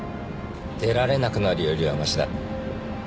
出られなくなるよりはましだ。